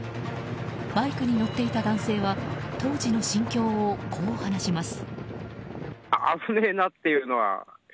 バイクに乗っていた男性は当時の心境を、こう話します。